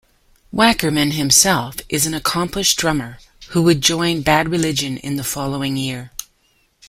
Wackerman himself is an accomplished drummer who would join Bad Religion the following year.